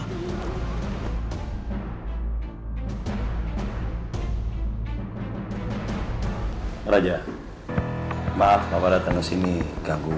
serahin pada dirimu